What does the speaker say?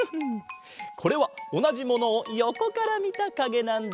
これはおなじものをよこからみたかげなんだ。